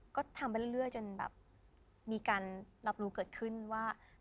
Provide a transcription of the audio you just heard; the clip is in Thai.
ก็ทำไปเรื่อยจนแบบมีการรับรู้เกิดขึ้นว่า